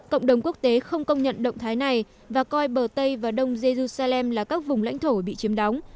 cộng đồng quốc tế không công nhận động thái này và coi bờ tây và đông jerusalem là các vùng lãnh thổ bị chiếm đóng